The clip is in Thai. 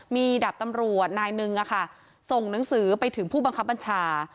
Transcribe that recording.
มีดาบตำรวจนายหนึ่งส่งหนังสือไปถึงผู้บังคับบัญชา